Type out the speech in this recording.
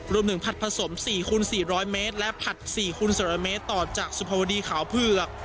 ผัดผสม๔คูณ๔๐๐เมตรและผัด๔คูณ๒๐๐เมตรต่อจากสุภาวดีขาวเผือก